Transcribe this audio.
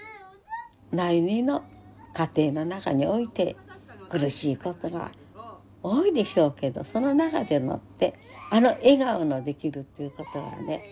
真由美の家庭の中において苦しいことが多いでしょうけどその中でもってあの笑顔のできるっていうことがね